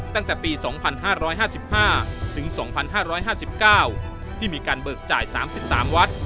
ตั้งแต่ปี๒๕๕๕ถึง๒๕๕๙ที่มีการเบิกจ่าย๓๓วัด